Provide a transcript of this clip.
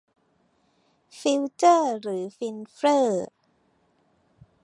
ฟิวเจอร์หรือฟินเฟร่อ